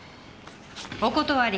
お断り。